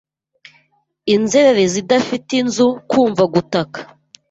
inzererezi idafite inzu Kumva gutaka